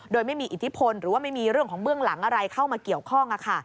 โดยไม่มีอิทธิพลหรือว่าไม่มีเรื่องของเบื้องหลังอะไรเข้ามาเกี่ยวข้อง